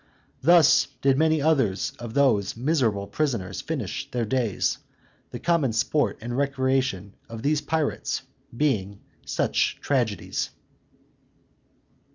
Thus did many others of those miserable prisoners finish their days, the common sport and recreation of these pirates being such tragedies.